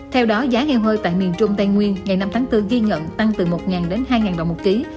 theo đó giá heo hơi tại miền trung tây nguyên ngày năm tháng bốn ghi nhận tăng từ một đến hai đồng một ký